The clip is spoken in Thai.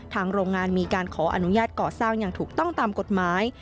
โรงงานมีการขออนุญาตก่อสร้างอย่างถูกต้องตามกฎหมาย